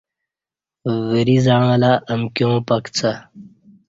وری زعݩلہ امکیاں پکڅہ